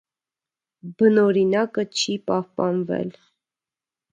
Բնօրինակը չի պահպանվել։